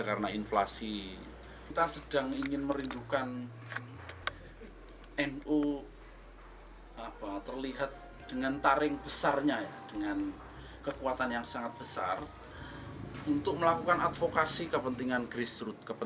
jangan lupa like share dan subscribe ya